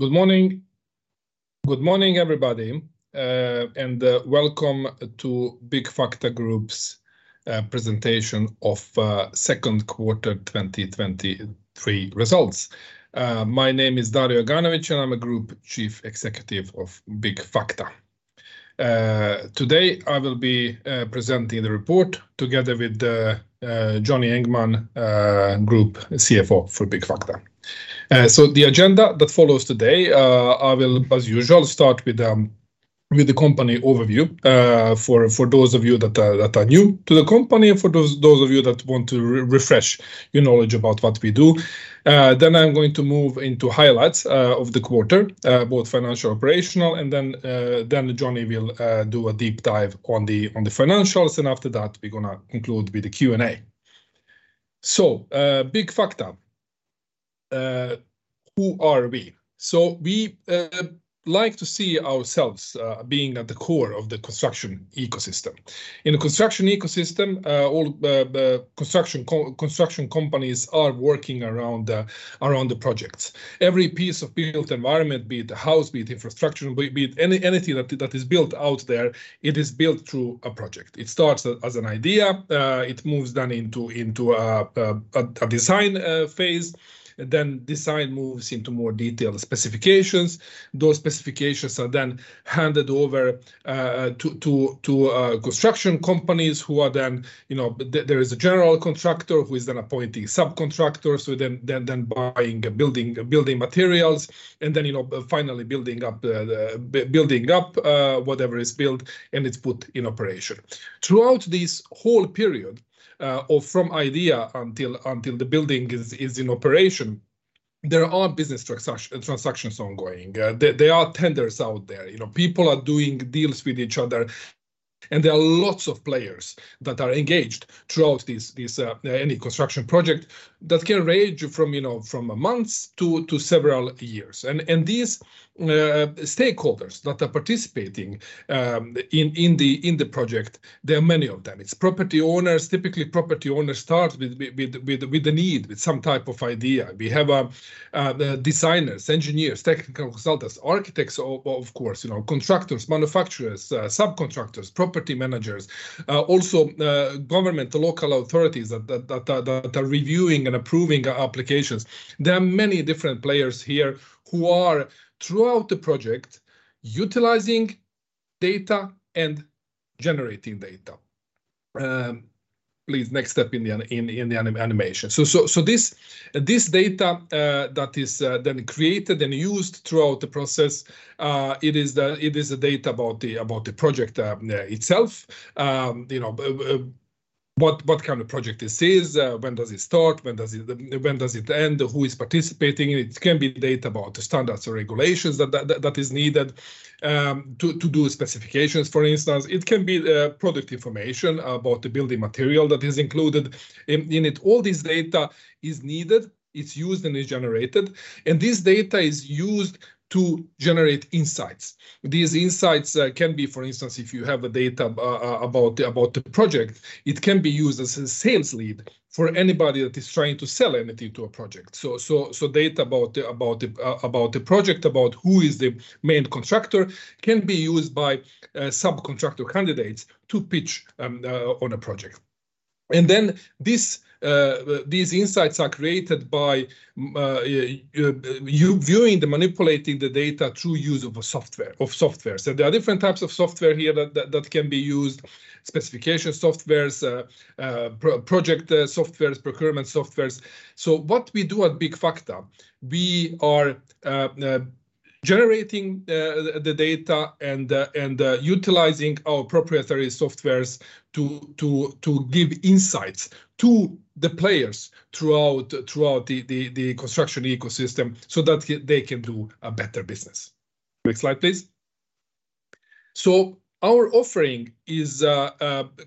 Good morning. Good morning, everybody, welcome to Byggfakta Group's presentation of Second Quarter 2023 results. My name is Dario Aganovic, and I'm a Group Chief Executive of Byggfakta. Today I will be presenting the report together with Johnny Engman, Group CFO for Byggfakta. The agenda that follows today, I will, as usual, start with the company overview for those of you that are new to the company, and for those of you that want to refresh your knowledge about what we do. I'm going to move into highlights of the quarter, both financial, operational, and then Johnny will do a deep dive on the financials. After that, we're going to conclude with the Q&A. Byggfakta, who are we? We like to see ourselves being at the core of the construction ecosystem. In a construction ecosystem, all the construction companies are working around the projects. Every piece of built environment, be it a house, be it infrastructure, be it anything that is built out there, it is built through a project. It starts as an idea, it moves then into a design phase, then design moves into more detailed specifications. Those specifications are then handed over to construction companies, who are then... You know, there is a general contractor, who is then appointing subcontractors, who then buying and building materials, and then, you know, finally building up whatever is built, and it's put in operation. Throughout this whole period, or from idea until the building is in operation, there are business transactions ongoing. There are tenders out there, you know, people are doing deals with each other, and there are lots of players that are engaged throughout this any construction project that can range from, you know, from months to several years. These stakeholders that are participating in the project, there are many of them. It's property owners. Typically, property owners start with the need, with some type of idea. We have the designers, engineers, technical consultants, architects, of course, you know, constructors, manufacturers, subcontractors, property managers, also government, the local authorities that are reviewing and approving applications. There are many different players here who are, throughout the project, utilizing data and generating data. Please, next step in the animation. This data that is then created and used throughout the process, it is the data about the project itself. You know, what kind of project this is, when does it start, when does it end, who is participating in it? It can be data about the standards or regulations that is needed to do specifications, for instance. It can be product information about the building material that is included in it. All this data is needed, it's used and is generated, and this data is used to generate insights. These insights can be, for instance, if you have data about the project, it can be used as a sales lead for anybody that is trying to sell anything to a project. Data about the project, about who is the main contractor, can be used by subcontractor candidates to pitch on a project. These insights are created by you viewing and manipulating the data through use of software. There are different types of software here that can be used: specification softwares, project softwares, procurement softwares. What we do at Byggfakta, we are generating the data and the utilizing our proprietary softwares to give insights to the players throughout the construction ecosystem so that they can do a better business. Next slide, please. Our offering is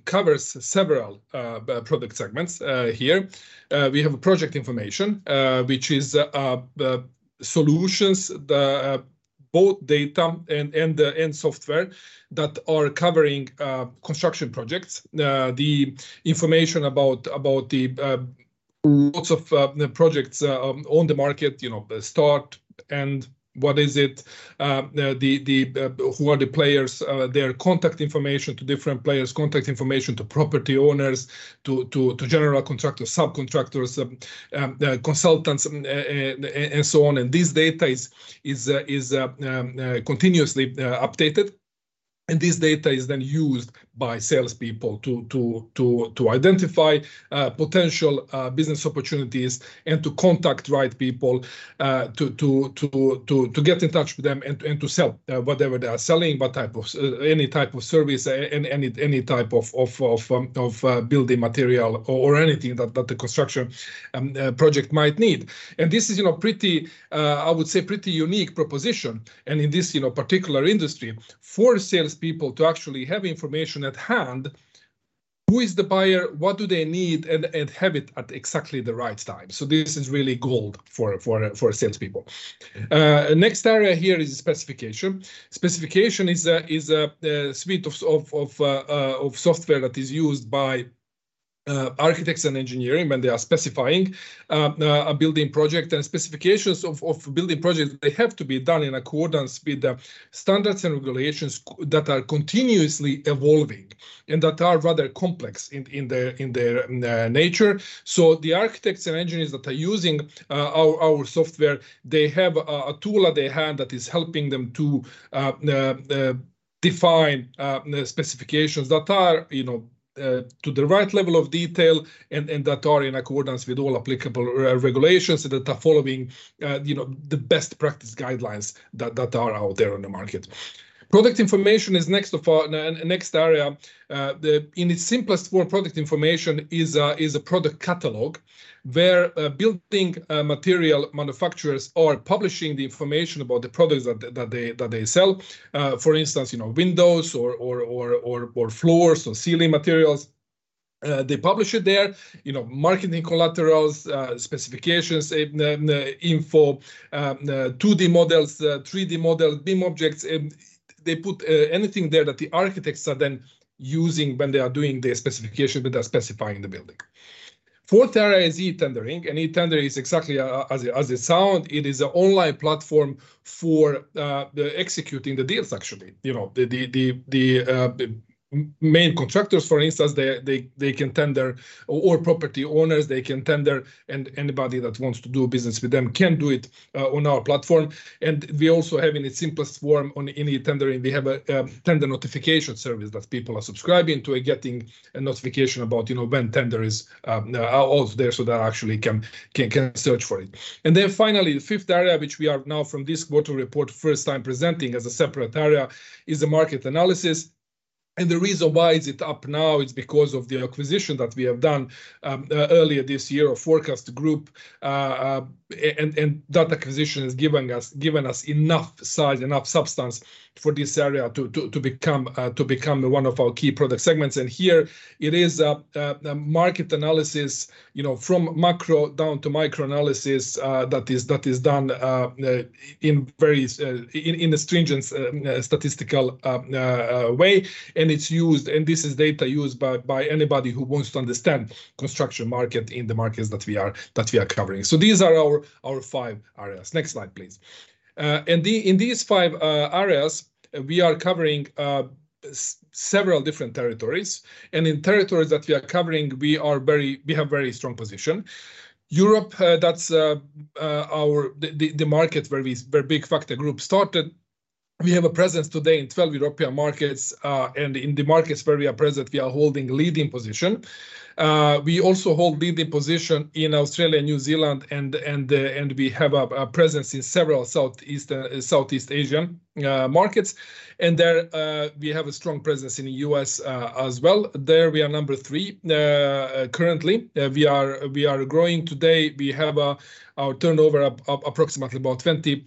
covers several product segments here. We have project information, which is solutions, both data and software that are covering construction projects. about the projects on the market, you know, start and what is it, who are the players, their contact information to different players, contact information to property owners, to general contractors, subcontractors, consultants, and so on. This data is continuously updated, and this data is then used by salespeople to identify potential business opportunities and to contact right people, to get in touch with them and to sell whatever they are selling. Any type of service and any type of building material or anything that the construction project might need. This is, you know, pretty, I would say, pretty unique proposition, and in this, you know, particular industry, for salespeople to actually have information at hand, who is the buyer, what do they need, and have it at exactly the right time. This is really gold for salespeople. Next area here is the specification. Specification is a suite of software that is used by architects and engineering when they are specifying a building project. Specifications of building projects, they have to be done in accordance with the standards and regulations that are continuously evolving, and that are rather complex in their nature. The architects and engineers that are using our software, they have a tool at their hand that is helping them to define the specifications that are, you know, to the right level of detail, and that are in accordance with all applicable regulations, that are following, you know, the best practice guidelines that are out there on the market. Product information is next of our... next area. In its simplest form, product information is a product catalog where building material manufacturers are publishing the information about the products that they sell. For instance, you know, windows or floors or ceiling materials. They publish it there, you know, marketing collaterals, specifications, info, 2D models, 3D models, BIM objects. They put anything there that the architects are then using when they are doing their specification, when they're specifying the building. Fourth area is eTendering. eTender is exactly as it sound. It is a online platform for the executing the deals actually. You know, the main contractors, for instance, they can tender, or property owners, they can tender. Anybody that wants to do business with them can do it on our platform. We also have, in its simplest form, on any tendering, we have a tender notification service that people are subscribing to, and getting a notification about, you know, when tender is out there, so they actually can search for it. Finally, the fifth area, which we are now from this quarter report, first time presenting as a separate area, is the market analysis. The reason why is it up now is because of the acquisition that we have done earlier this year of 4CastGroup. That acquisition has given us enough size, enough substance for this area to become one of our key product segments. Here it is a market analysis, you know, from macro down to micro analysis that is done in a very stringent statistical way, and it's used. This is data used by anybody who wants to understand construction market in the markets that we are covering. These are our five areas. Next slide, please. In these five areas, we are covering several different territories, and in territories that we are covering, we have very strong position. Europe, that's our the market where we, where Byggfakta Group started. We have a presence today in 12 European markets, and in the markets where we are present, we are holding leading position. We also hold leading position in Australia and New Zealand, and we have a presence in several Southeast Asian markets. There, we have a strong presence in the U.S. as well. There, we are number three. Currently, we are growing. Today, we have our turnover up approximately about $20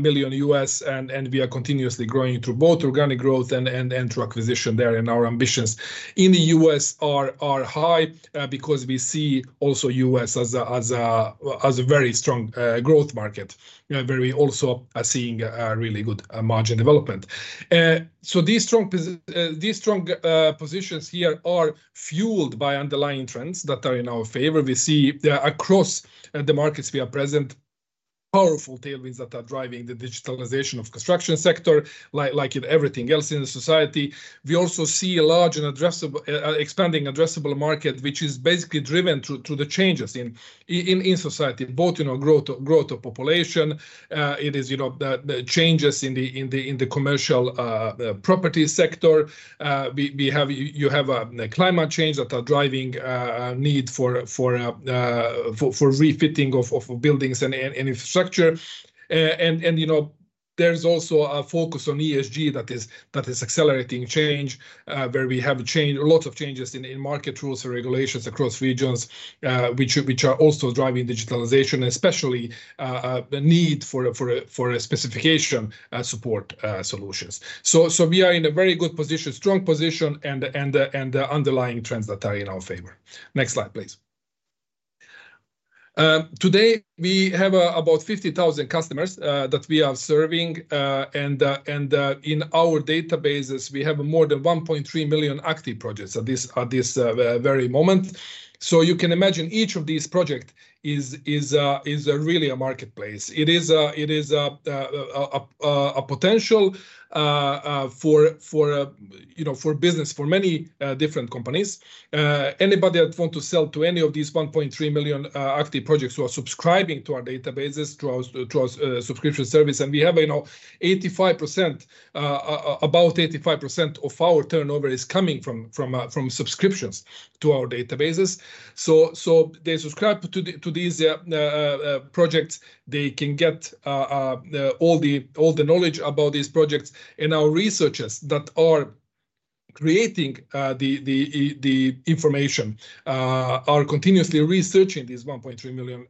million, and we are continuously growing through both organic growth and through acquisition there. Our ambitions in the U.S. are high because we see also U.S. as a very strong growth market where we also are seeing a really good margin development. These strong positions here are fueled by underlying trends that are in our favor. We see across the markets we are present, powerful tailwinds that are driving the digitalization of construction sector, like in everything else in the society. We also see a large and addressable, expanding addressable market, which is basically driven through the changes in society, both in our growth of population. It is, you know, the changes in the commercial property sector. We have you have the climate change that are driving a need for refitting of buildings and infrastructure. You know, there's also a focus on ESG that is accelerating change, where we have a lot of changes in market rules and regulations across regions, which are also driving digitalization, especially the need for a specification support solutions. We are in a very good position, strong position, and underlying trends that are in our favor. Next slide, please. Today, we have about 50,000 customers that we are serving, and in our databases, we have more than 1.3 million active projects at this very moment. You can imagine each of these project is really a marketplace. It is a potential for, you know, for business, for many different companies. Anybody that want to sell to any of these 1.3 million active projects who are subscribing to our databases, to our subscription service, and we have, you know, 85% of our turnover is coming from subscriptions to our databases. They subscribe to these projects. They can get all the knowledge about these projects, and our researchers that are creating the information are continuously researching these 1.3 million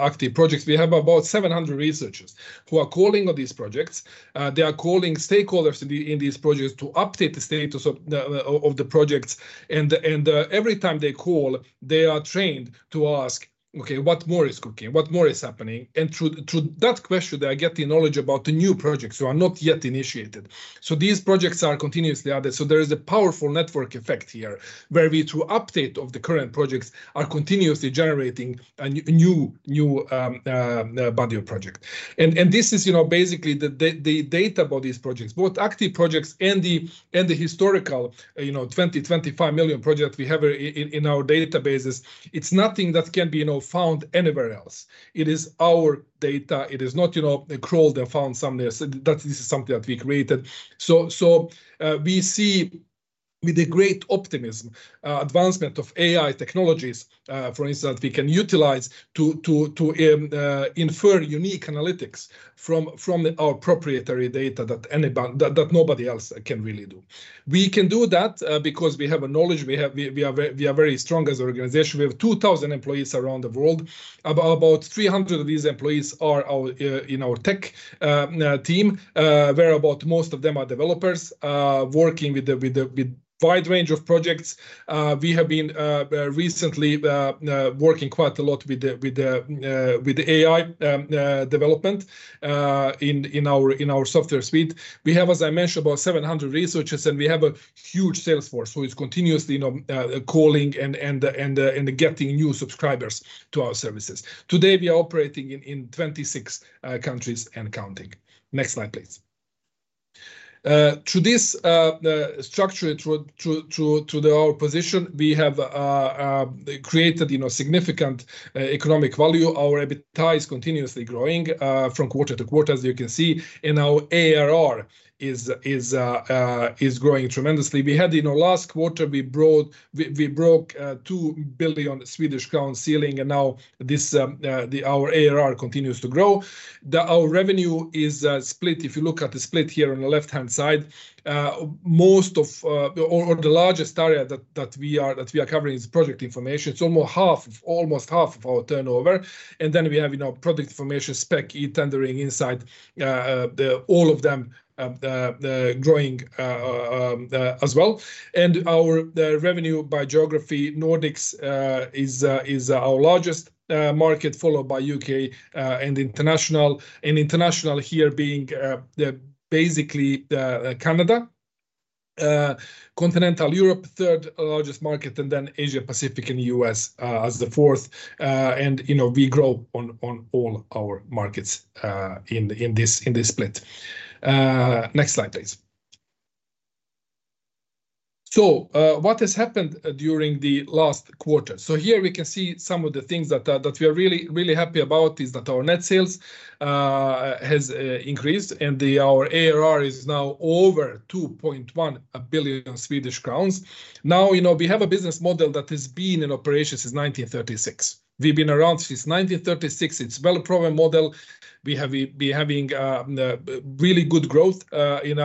active projects. We have about 700 researchers who are calling on these projects. They are calling stakeholders in these projects to update the status of the projects. Every time they call, they are trained to ask, "Okay, what more is cooking? What more is happening?" Through that question, they get the knowledge about the new projects who are not yet initiated. These projects are continuously added. There is a powerful network effect here, where we, through update of the current projects, are continuously generating a new body of project. This is, you know, basically the data about these projects, both active projects and the historical, you know, 20, 25 million projects we have in our databases. It's nothing that can be, you know, found anywhere else. It is our data. It is not, you know, they crawled and found something. That this is something that we created. We see with great optimism, advancement of AI technologies, for instance, we can utilize to infer unique analytics from our proprietary data that nobody else can really do. We can do that because we have a knowledge. We are very strong as an organization. We have 2,000 employees around the world. About 300 of these employees are in our tech team, whereabout most of them are developers, working with a wide range of projects. We have been recently working quite a lot with the AI development in our software suite. We have, as I mentioned, about 700 researchers, and we have a huge sales force, who is continuously, you know, calling and getting new subscribers to our services. Today, we are operating in 26 countries and counting. Next slide, please. Through this structure, through our position, we have created, you know, significant economic value. Our EBITDA is continuously growing from quarter-to-quarter, as you can see, and our ARR is growing tremendously. We had in our last quarter, we broke 2 billion Swedish crown ceiling, and now this, our ARR continues to grow. Our revenue is split. If you look at the split here on the left-hand side, most of, or the largest area that we are covering is project information. It's almost half, almost half of our turnover. Then we have, you know, product information, spec, eTendering, Insight, all of them growing as well. Our revenue by geography, Nordics, is our largest market, followed by U.K. and international. International here being, basically, Canada, Continental Europe, third largest market, and then Asia Pacific and U.S. as the fourth. You know, we grow on all our markets, in the, in this, in this split. Next slide, please. What has happened during the last quarter? Here we can see some of the things that we are really, really happy about is that our net sales has increased, and the our ARR is now over 2.1 billion Swedish crowns. You know, we have a business model that has been in operation since 1936. We've been around since 1936. It's well-proven model. We have having really good growth in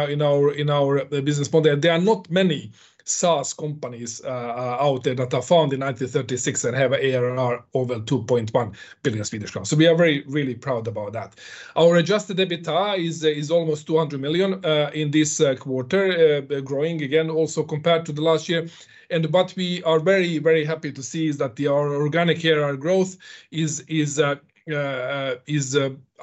our business model. There are not many SaaS companies out there that are found in 1936 and have ARR over 2.1 billion Swedish crowns. We are very really proud about that. Our adjusted EBITDA is almost 200 million in this quarter, growing again, also compared to the last year. But we are very, very happy to see is that the our organic ARR growth is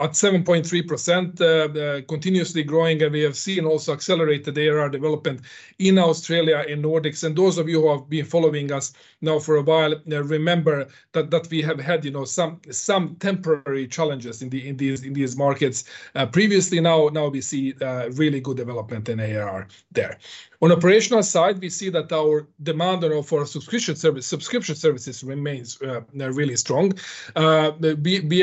at 7.3% continuously growing, and we have seen also accelerated ARR development in Australia, in Nordics. Those of you who have been following us now for a while, remember that we have had, you know, some temporary challenges in these markets previously. Now we see really good development in ARR there. On operational side, we see that our demand, you know, for our subscription services remains really strong. We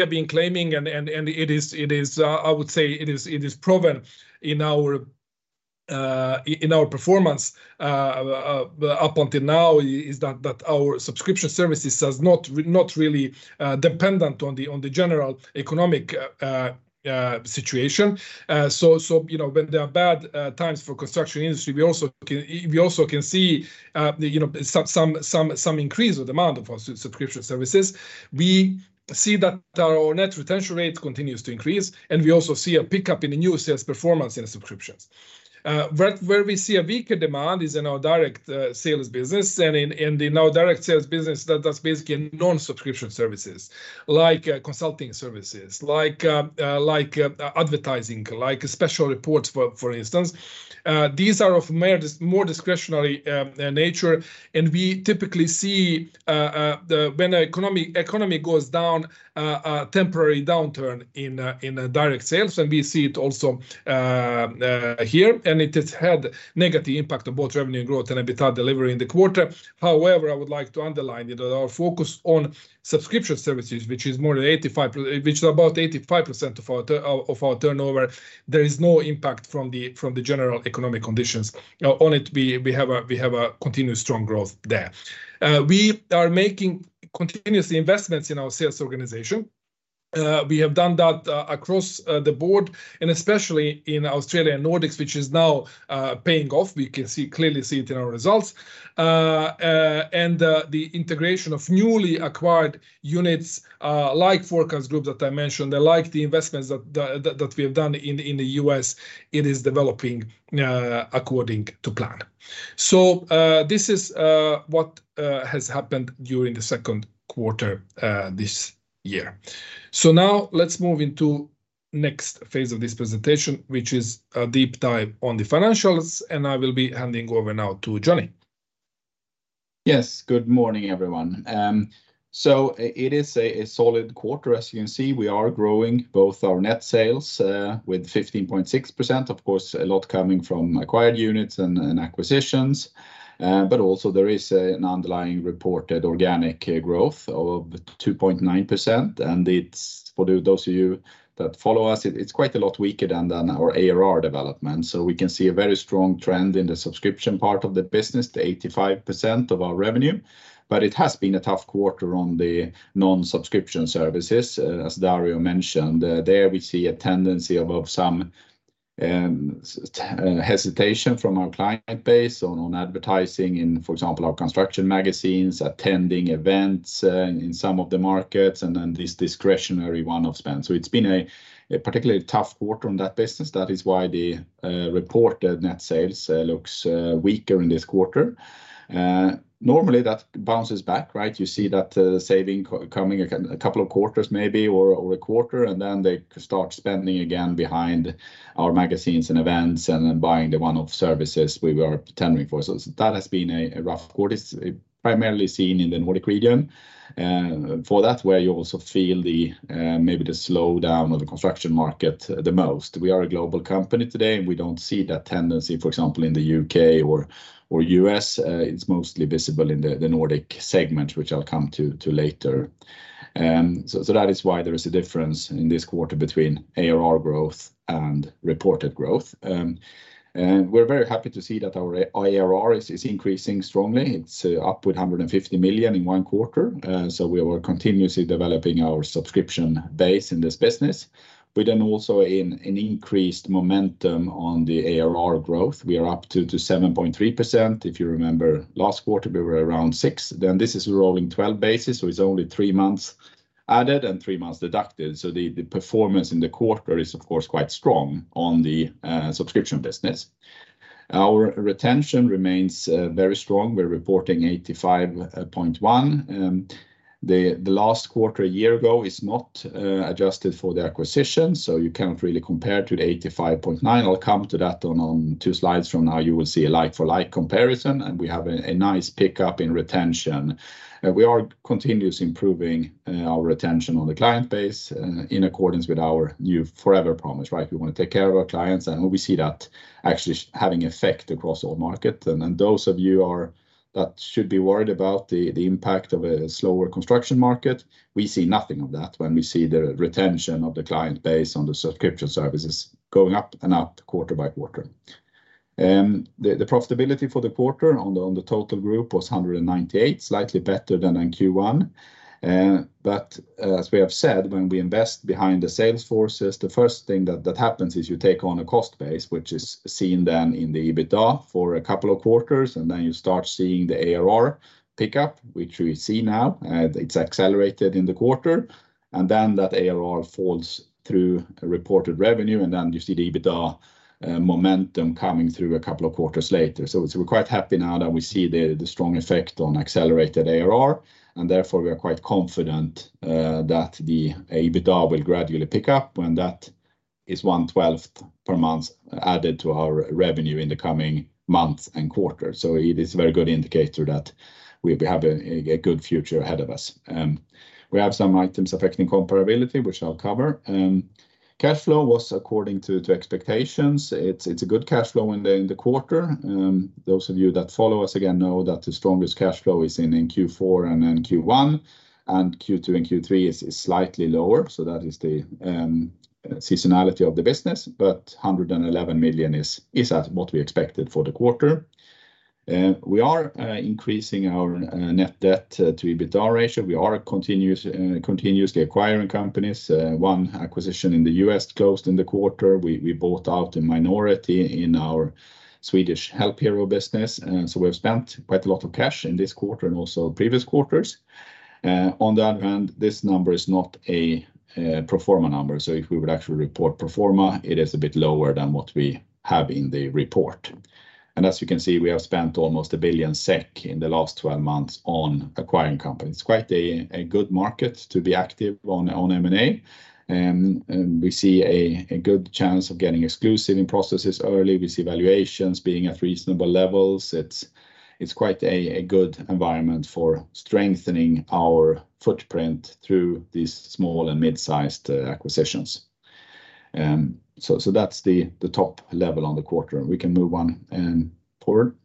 have been claiming and it is, I would say it is proven in our performance up until now, is that our subscription services does not really dependent on the general economic situation. You know, when there are bad times for construction industry, we also can see, you know, some increase of demand of our subscription services. We see that our Net Retention Rate continues to increase, and we also see a pickup in the new sales performance in the subscriptions. Where we see a weaker demand is in our direct sales business, and in our direct sales business, that's basically a non-subscription services, like consulting services, like advertising, like special reports, for instance. These are of more discretionary nature, and we typically see the when the economy goes down, a temporary downturn in direct sales, and we see it also here, and it has had negative impact on both revenue growth and EBITDA delivery in the quarter. However, I would like to underline that our focus on subscription services, which is more than 85%... which is about 85% of our turnover, there is no impact from the general economic conditions. On it, we have a continuous strong growth there. We are making continuous investments in our sales organization. We have done that across the board, and especially in Australia and Nordics, which is now paying off. We can clearly see it in our results. The integration of newly acquired units, like 4CastGroup that I mentioned, and like the investments that we have done in the U.S., it is developing according to plan. This is what has happened during the second quarter this year. Now let's move into next phase of this presentation, which is a deep dive on the financials, and I will be handing over now to Johnny. Yes. Good morning, everyone. It is a solid quarter. As you can see, we are growing both our net sales with 15.6%, of course, a lot coming from acquired units and acquisitions. Also there is an underlying reported organic growth of 2.9%, it's, for those of you that follow us, it's quite a lot weaker than our ARR development. We can see a very strong trend in the subscription part of the business, the 85% of our revenue, but it has been a tough quarter on the non-subscription services, as Dario mentioned. There we see a tendency of some hesitation from our client base on advertising in, for example, our construction magazines, attending events in some of the markets, and then this discretionary one-off spend. It's been a particularly tough quarter on that business. That is why the reported net sales looks weaker in this quarter. Normally, that bounces back, right? You see that saving coming a couple of quarters maybe, or a quarter, and then they start spending again behind our magazines and events, and then buying the one-off services we were tendering for. That has been a rough quarter. It's primarily seen in the Nordic region for that, where you also feel the maybe the slowdown of the construction market the most. We are a global company today. We don't see that tendency, for example, in the U.K. or U.S. It's mostly visible in the Nordic segment, which I'll come to later. So that is why there is a difference in this quarter between ARR growth and reported growth. We're very happy to see that our ARR is increasing strongly. It's up with 150 million in one quarter. We are continuously developing our subscription base in this business. We also in an increased momentum on the ARR growth. We are up to 7.3%. If you remember last quarter, we were around 6%. This is a rolling 12 basis, so it's only three months added and three months deducted. The performance in the quarter is, of course, quite strong on the subscription business. Our retention remains very strong. We're reporting 85.1%. The last quarter, a year ago, is not adjusted for the acquisition, so you cannot really compare to the 85.9%. I'll come to that on two slides from now. You will see a like-for-like comparison, and we have a nice pickup in retention. We are continuously improving our retention on the client base in accordance with our new Forever Promise, right? We want to take care of our clients, and we see that actually having effect across all market. Those of you are... That should be worried about the impact of a slower construction market, we see nothing of that when we see the retention of the client base on the subscription services going up and up quarter by quarter. The profitability for the quarter on the total Group was 198, slightly better than in Q1. As we have said, when we invest behind the sales forces, the first thing that happens is you take on a cost base, which is seen then in the EBITDA for a couple of quarters, and then you start seeing the ARR pick up, which we see now, and it's accelerated in the quarter. That ARR falls through a reported revenue, and then you see the EBITDA momentum coming through a couple of quarters later. We're quite happy now that we see the strong effect on accelerated ARR, and therefore, we are quite confident that the EBITDA will gradually pick up, and that is one twelfth per month added to our revenue in the coming months and quarters. It is a very good indicator that we have a good future ahead of us. We have some items affecting comparability, which I'll cover. Cash flow was according to expectations. It's a good cash flow in the quarter. Those of you that follow us, again, know that the strongest cash flow is in Q4 and in Q1, and Q2 and Q3 is slightly lower, so that is the seasonality of the business, but 111 million is at what we expected for the quarter. We are increasing our net debt to EBITDA ratio. We are continuously acquiring companies. One acquisition in the U.S. closed in the quarter. We bought out a minority in our Swedish HelpHero business, we've spent quite a lot of cash in this quarter and also previous quarters. On the other hand, this number is not a pro forma number, if we would actually report pro forma, it is a bit lower than what we have in the report. As you can see, we have spent almost 1 billion SEK in the last 12 months on acquiring companies. It's quite a good market to be active on M&A, we see a good chance of getting exclusive in processes early. We see valuations being at reasonable levels. It's quite a good environment for strengthening our footprint through these small and mid-sized acquisitions. That's the top level on the quarter, and we can move on forward.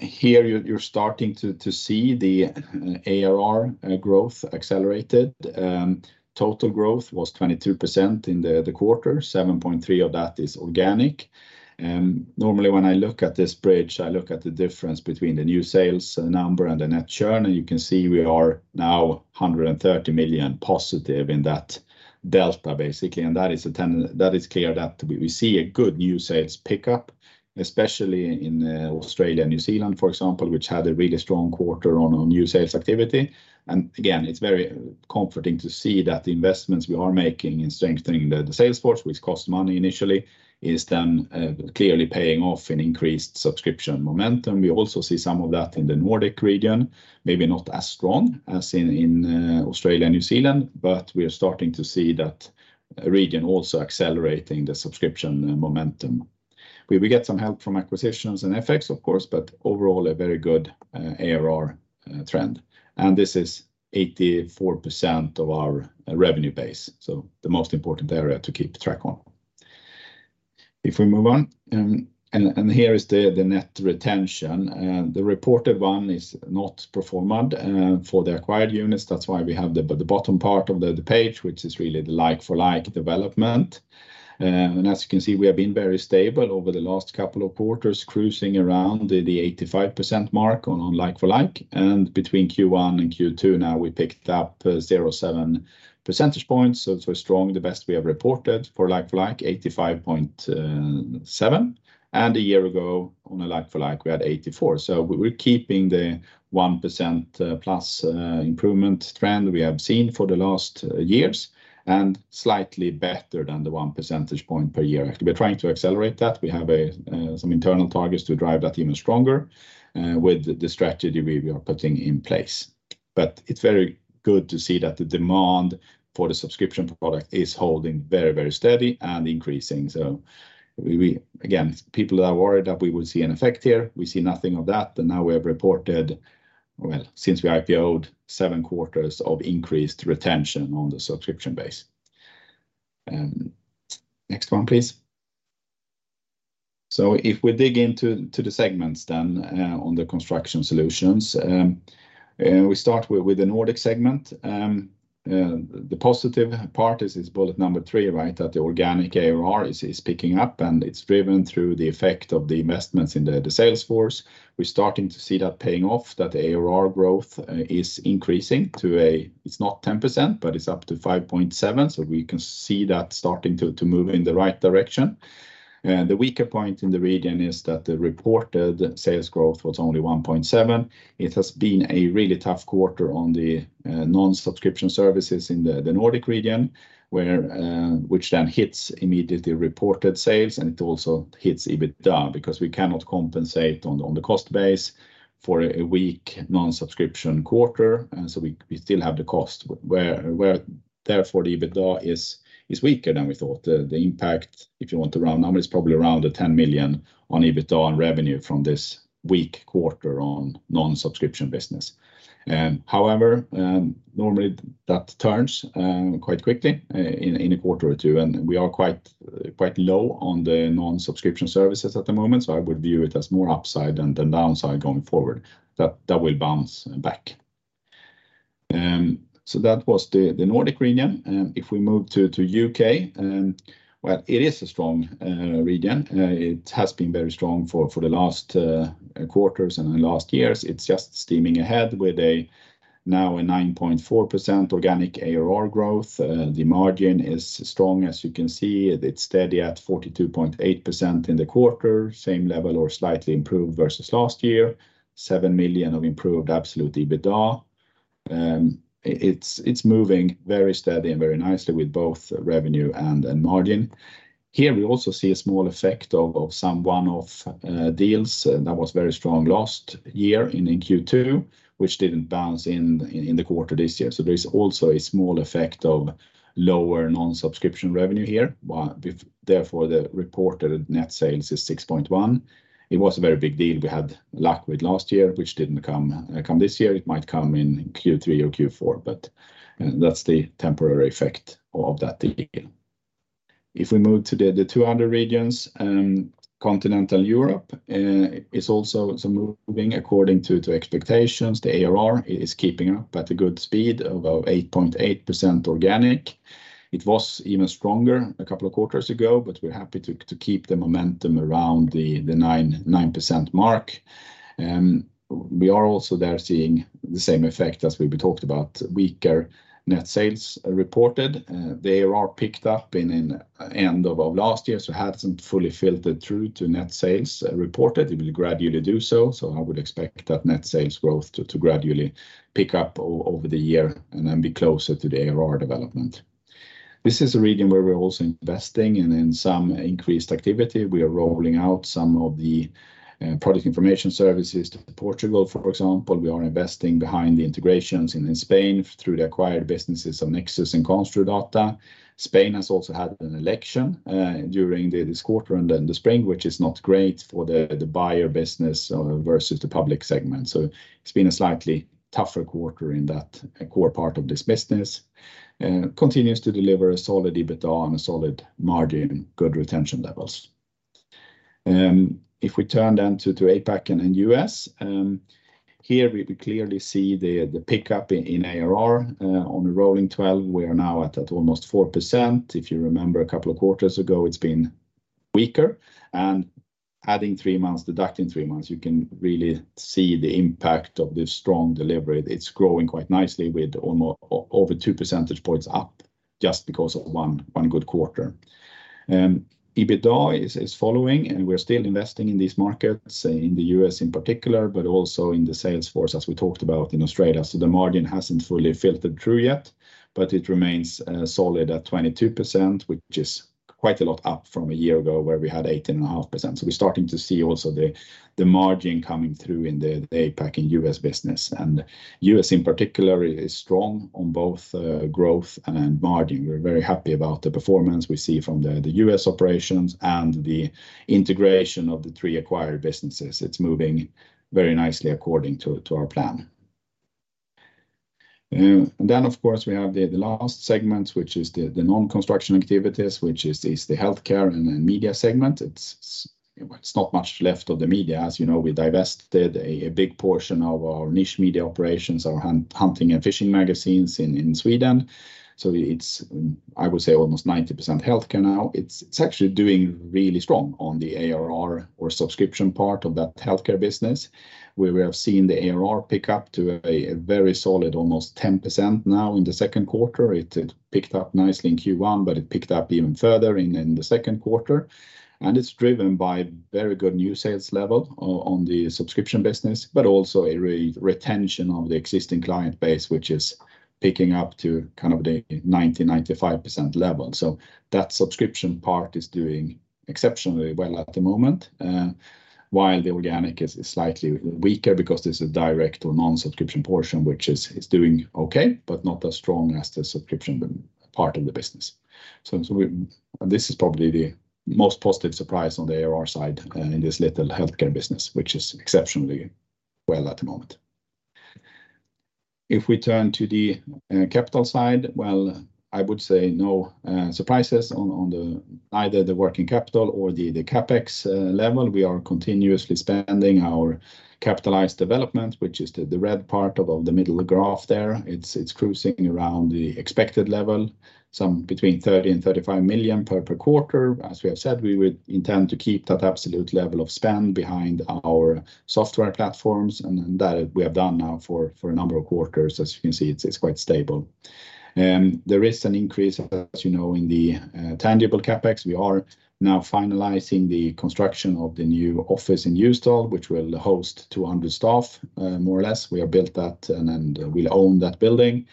Here you're starting to see the ARR growth accelerated. Total growth was 22% in the quarter, 7.3 of that is organic. Normally, when I look at this bridge, I look at the difference between the new sales number and the net churn, you can see we are now 130 million positive in that delta, basically. That is clear that we see a good new sales pickup, especially in Australia and New Zealand, for example, which had a really strong quarter on new sales activity. Again, it's very comforting to see that the investments we are making in strengthening the sales force, which cost money initially, is clearly paying off in increased subscription momentum. We also see some of that in the Nordic region, maybe not as strong as in Australia and New Zealand, but we are starting to see that region also accelerating the subscription momentum. We will get some help from acquisitions and effects, of course, but overall, a very good ARR trend. This is 84% of our revenue base, the most important area to keep track on. If we move on, here is the net retention, the reported one is not performed for the acquired units. That's why we have the bottom part of the page, which is really the like-for-like development. As you can see, we have been very stable over the last couple of quarters, cruising around the 85% mark on like-for-like. Between Q1 and Q2, now we picked up 0.7 percentage points. It's very strong, the best we have reported for like-for-like, 85.7. A year ago, on a like-for-like, we had 84. We're keeping the 1% plus improvement trend we have seen for the last years, and slightly better than the 1 percentage point per year. We're trying to accelerate that. We have some internal targets to drive that even stronger with the strategy we are putting in place. It's very good to see that the demand for the subscription product is holding very, very steady and increasing. We, again, people are worried that we will see an effect here. We see nothing of that. Now we have reported, well, since we IPO'd, seven quarters of increased retention on the subscription base. Next one, please. If we dig into the segments, then, on the construction solutions, we start with the Nordic segment. The positive part is bullet number three, right? That the organic ARR is picking up, and it's driven through the effect of the investments in the sales force. We're starting to see that paying off, that the ARR growth is increasing. It's not 10%, but it's up to 5.7%. We can see that starting to move in the right direction. The weaker point in the region is that the reported sales growth was only 1.7%. It has been a really tough quarter on the non-subscription services in the Nordic region, which then hits immediately reported sales, and it also hits EBITDA, because we cannot compensate on the cost base for a weak non-subscription quarter. We still have the cost, where therefore, the EBITDA is weaker than we thought. The impact, if you want to round number, is probably around 10 million on EBITDA and revenue from this weak quarter on non-subscription business. However, normally, that turns quite quickly in a quarter or two, and we are quite low on the non-subscription services at the moment, so I would view it as more upside than the downside going forward, that will bounce back. That was the Nordic region. If we move to U.K., well, it is a strong region. It has been very strong for the last quarters and the last years. It's just steaming ahead with a now a 9.4% organic ARR growth. The margin is strong, as you can see. It's steady at 42.8% in the quarter, same level or slightly improved versus last year. 7 million of improved absolute EBITDA. It's moving very steady and very nicely with both revenue and margin. Here, we also see a small effect of some one-off deals that was very strong last year in Q2, which didn't bounce in the quarter this year. There's also a small effect of lower non-subscription revenue here, therefore, the reported net sales is 6.1 million. It was a very big deal we had luck with last year, which didn't come this year. It might come in Q3 or Q4, but that's the temporary effect of that deal. If we move to the two other regions, Continental Europe is also moving according to expectations. The ARR is keeping up at a good speed of 8.8% organic. It was even stronger a couple of quarters ago, but we're happy to keep the momentum around the 9% mark. We are also there seeing the same effect as we talked about, weaker net sales reported. The ARR picked up in end of last year, hadn't fully filtered through to net sales reported. It will gradually do so, I would expect that net sales growth to gradually pick up over the year and then be closer to the ARR development. This is a region where we're also investing in some increased activity. We are rolling out some of the product information services to Portugal, for example. We are investing behind the integrations in Spain through the acquired businesses of Nexus and Construdata. Spain has also had an election during this quarter and in the spring, which is not great for the buyer business versus the public segment. It's been a slightly tougher quarter in that core part of this business. Continues to deliver a solid EBITDA and a solid margin, good retention levels. If we turn to APAC and U.S., here we clearly see the pickup in ARR. On a rolling 12, we are now at almost 4%. If you remember a couple of quarters ago, it's been weaker. Adding three months, deducting three months, you can really see the impact of the strong delivery. It's growing quite nicely with over 2 percentage points up just because of one good quarter. EBITDA is following, and we're still investing in these markets, in the U.S. in particular, but also in the sales force, as we talked about in Australia. The margin hasn't fully filtered through yet, but it remains solid at 22%, which is quite a lot up from a year ago, where we had 18.5%. We're starting to see also the margin coming through in the APAC and U.S. business. U.S., in particular, is strong on both growth and margin. We're very happy about the performance we see from the U.S. operations and the integration of the three acquired businesses. It's moving very nicely according to our plan. Then, of course, we have the last segment, which is the non-construction activities, which is the healthcare and the media segment. It's not much left of the media. As you know, we divested a big portion of our niche media operations, our hunting and fishing magazines in Sweden. It's, I would say, almost 90% healthcare now. It's actually doing really strong on the ARR or subscription part of that healthcare business, where we have seen the ARR pick up to a very solid, almost 10% now in the second quarter. It picked up nicely in Q1, but it picked up even further in the second quarter, and it's driven by very good new sales level on the subscription business, but also a retention of the existing client base, which is picking up to kind of the 90%-95% level. That subscription part is doing exceptionally well at the moment, while the organic is slightly weaker because there's a direct or non-subscription portion, which is doing okay, but not as strong as the subscription part of the business. This is probably the most positive surprise on the ARR side, in this little healthcare business, which is exceptionally well at the moment. If we turn to the capital side, well, I would say no surprises on either the working capital or the CapEx level. We are continuously spending our capitalized development, which is the red part of the middle graph there. It's cruising around the expected level, between 30 million and 35 million per quarter. As we have said, we would intend to keep that absolute level of spend behind our software platforms, and that we have done now for a number of quarters. As you can see, it's quite stable. There is an increase, as you know, in the tangible CapEx. We are now finalizing the construction of the new office in Djursholm, which will host 200 staff, more or less. We have built that, and we own that building.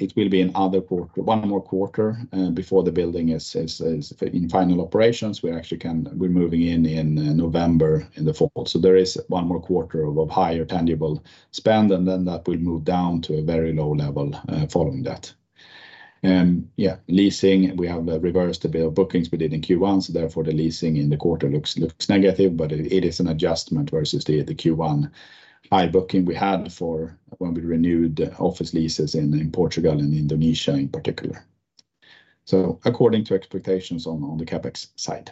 It will be one more quarter before the building is in final operations. We're moving in in November, in the fall. There is one more quarter of higher tangible spend, and then that will move down to a very low level following that. Leasing, we have reversed a bit of bookings we did in Q1, therefore, the leasing in the quarter looks negative, but it is an adjustment versus the Q1 high booking we had for when we renewed the office leases in Portugal and Indonesia in particular. According to expectations on the CapEx side.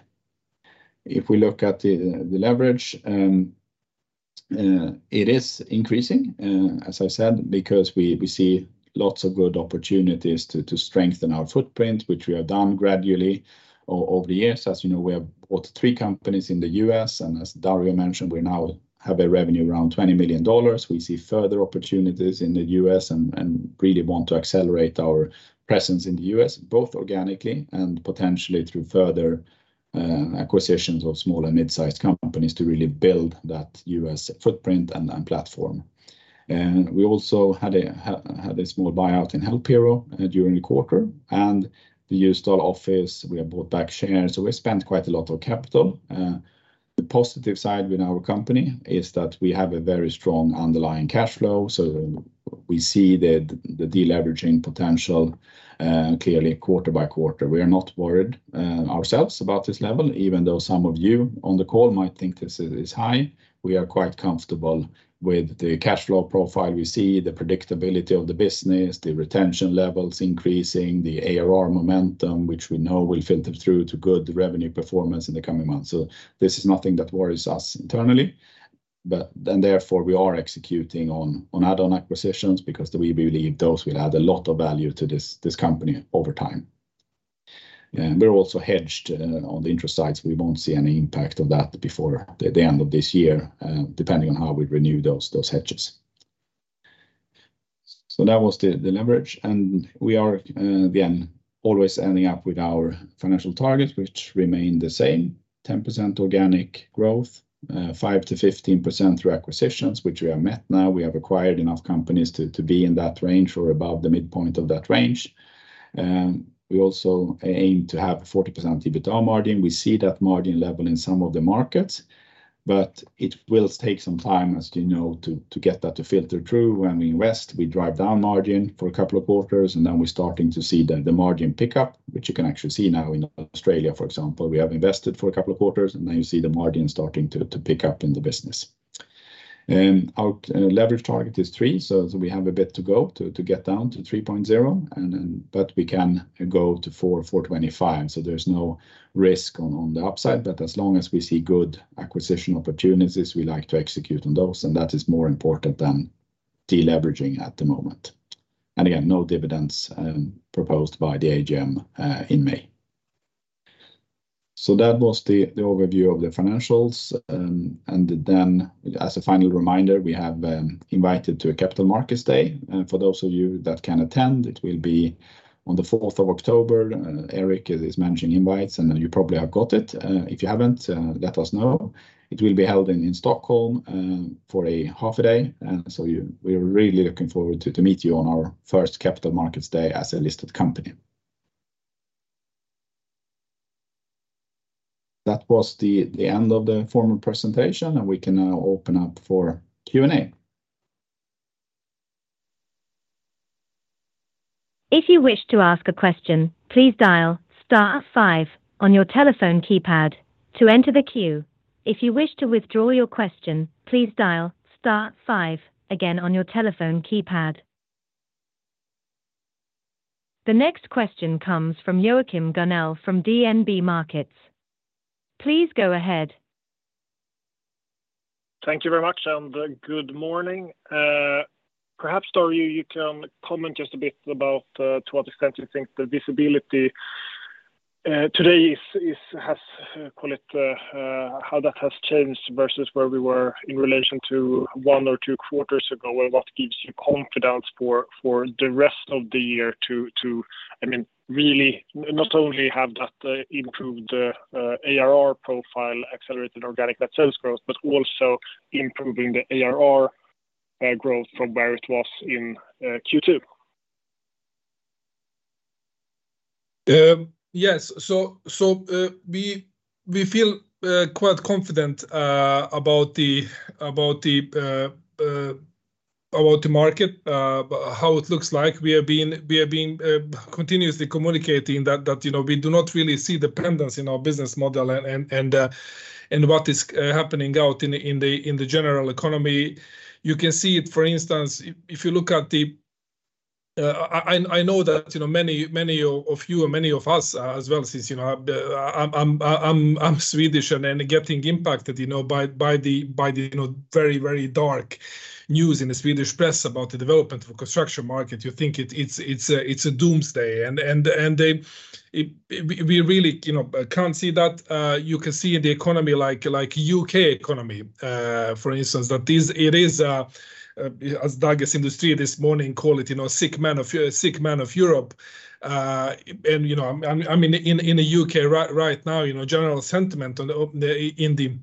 If we look at the leverage, it is increasing, as I said, because we see lots of good opportunities to strengthen our footprint, which we have done gradually over the years. As you know, we have bought three companies in the U.S., and as Dario mentioned, we now have a revenue around $20 million. We see further opportunities in the U.S. and really want to accelerate our presence in the U.S., both organically and potentially through further acquisitions of small and mid-sized companies to really build that U.S. footprint and platform. We also had a small buyout in HelpHero during the quarter, and the Djursholm office, we have bought back shares, so we spent quite a lot of capital. The positive side with our company is that we have a very strong underlying cash flow, so we see the deleveraging potential clearly quarter by quarter. We are not worried ourselves about this level, even though some of you on the call might think this is high. We are quite comfortable with the cash flow profile we see, the predictability of the business, the retention levels increasing, the ARR momentum, which we know will filter through to good revenue performance in the coming months. This is nothing that worries us internally, therefore, we are executing on add-on acquisitions because we believe those will add a lot of value to this company over time. We're also hedged on the interest sides. We won't see any impact of that before the end of this year, depending on how we renew those hedges. That was the leverage, and we are again always ending up with our financial targets, which remain the same: 10% organic growth, 5%-15% through acquisitions, which we have met now. We have acquired enough companies to be in that range or above the midpoint of that range. We also aim to have a 40% EBITDA margin. We see that margin level in some of the markets, it will take some time, as you know, to get that to filter through. When we invest, we drive down margin for a couple of quarters, and then we're starting to see the margin pick up, which you can actually see now in Australia, for example. We have invested for a couple of quarters. Now you see the margin starting to pick up in the business. Our leverage target is 3, so we have a bit to go to get down to 3.0, but we can go to 4.25. There's no risk on the upside, but as long as we see good acquisition opportunities, we like to execute on those, and that is more important than de-leveraging at the moment. Again, no dividends proposed by the AGM in May. That was the overview of the financials. As a final reminder, we have invited to a Capital Markets Day. For those of you that can attend, it will be on the October 4th. Eric is managing invites, you probably have got it. If you haven't, let us know. It will be held in Stockholm for a half a day. We're really looking forward to meet you on our first Capital Markets Day as a listed company. That was the end of the formal presentation, we can now open up for Q&A. If you wish to ask a question, please dial star five on your telephone keypad to enter the queue. If you wish to withdraw your question, please dial star five again on your telephone keypad. The next question comes from Joachim Gunell from DNB Markets. Please go ahead. Thank you very much. Good morning. Perhaps, Dario, you can comment just a bit about to what extent you think the visibility today is, call it, how that has changed versus where we were in relation to one or two quarters ago, and what gives you confidence for the rest of the year to... I mean, really, not only have that improved the ARR profile, accelerated organic net sales growth, but also improving the ARR growth from where it was in Q2? Yes. We feel quite confident about the market, how it looks like. We have been continuously communicating that, you know, we do not really see dependence in our business model and what is happening out in the general economy. You can see it, for instance, if you look at the, I know that, you know, many of you and many of us as well, since, you know, I'm Swedish, and then getting impacted, you know, by the very dark news in the Swedish press about the development of construction market. You think it's a doomsday, and they, we really, you know, can't see that. You can see in the economy, like U.K. economy, for instance, that is, it is, as Dagens industri this morning, call it, you know, sick man of Europe. You know, I mean, in the U.K. right now, you know, general sentiment on the,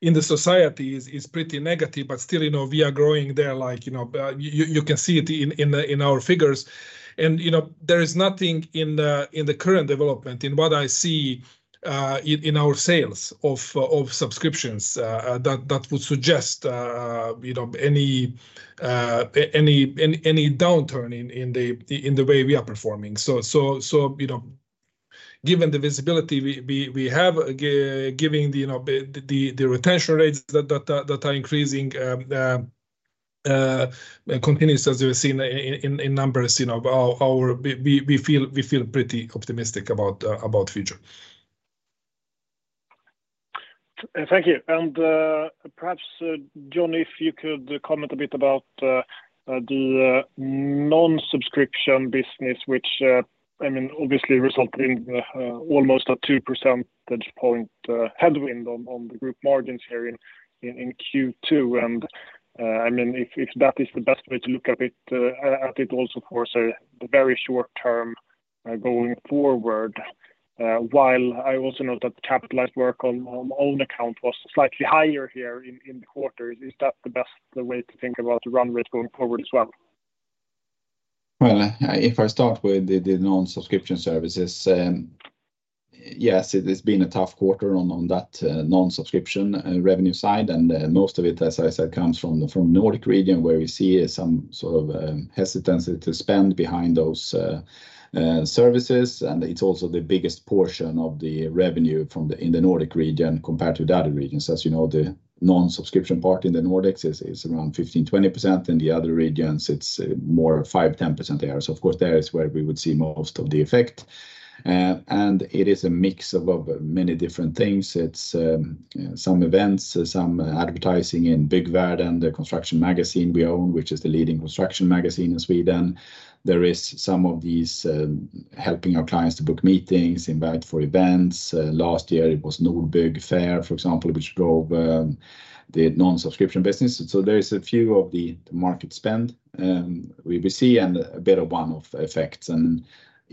in the society is pretty negative, but still, you know, we are growing there like, you know, you can see it in our figures. You know, there is nothing in the current development, in what I see, in our sales of subscriptions, that would suggest, you know, any downturn in the way we are performing. So, you know, given the visibility, we have, giving the, you know, the retention rates that are increasing, continuous, as we've seen in numbers, you know, our, we feel pretty optimistic about future. Thank you. Perhaps, John, if you could comment a bit about the non-subscription business, which, I mean, obviously resulted in almost a 2 percentage point headwind on Group margins here in Q2. I mean, if that is the best way to look at it also for, so the very short term going forward, while I also know that the capitalized work on own account was slightly higher here in the quarter. Is that the best way to think about the run rate going forward as well? Well, if I start with the non-subscription services, yes, it's been a tough quarter on that non-subscription revenue side. Most of it, as I said, comes from the, from Nordic region, where we see some sort of hesitancy to spend behind those services. It's also the biggest portion of the revenue from the, in the Nordic region compared to the other regions. As you know, the non-subscription part in the Nordics is around 15%-20%. In the other regions, it's more 5%-10% there. Of course, there is where we would see most of the effect. It is a mix of many different things. It's some events, some advertising in Byggvärlden, the construction magazine we own, which is the leading construction magazine in Sweden. There is some of these, helping our clients to book meetings, invite for events. Last year it was Nordbygg Fair, for example, which drove the non-subscription business. There is a few of the market spend we will see and a bit of one-off effects.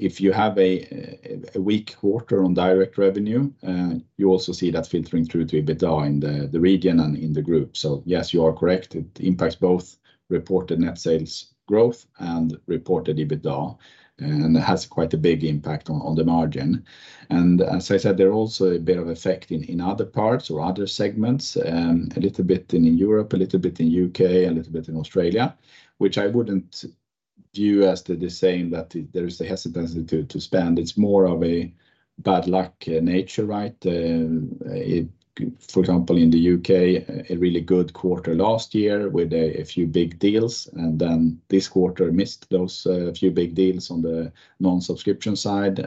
If you have a weak quarter on direct revenue, you also see that filtering through to EBITDA in the region and in the group. Yes, you are correct. It impacts both reported net sales growth and reported EBITDA, and it has quite a big impact on the margin. As I said, there are also a bit of effect in other parts or other segments, a little bit in Europe, a little bit in U.K., a little bit in Australia. Which I wouldn't due as to the saying that there is a hesitancy to spend. It's more of a bad-luck nature, right? For example, in the U.K., a really good quarter last year with a few big deals, and then this quarter missed those few big deals on the non-subscription side.